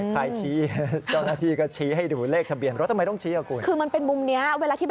ใครชี้เจ้าหน้าที่ก็ชี้ให้ดูเลขทะเบียน